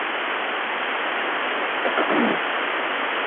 Bintu byote beko na biujisha kwetu kwa papa